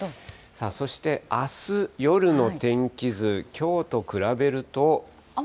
そして、あす夜の天気図、きょうと比べると。